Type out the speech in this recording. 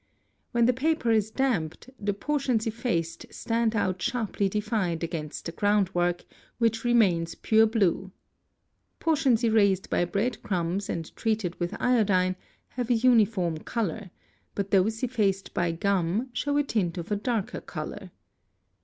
When the paper is damped, the portions effaced stand out sharply defined against the ground work, which remains pure blue. Portions erased by bread crumbs and treated with iodine have a uniform colour, but those effaced by gum show a tint of a darker colour.